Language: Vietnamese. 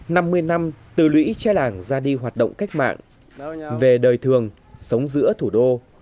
năm mươi năm từ lũy che làng ra đi hoạt động cách mạng về đời thường sống giữa thủ đô